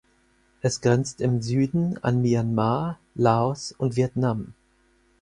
Es grenzt im Süden an Myanmar, Laos und Vietnam.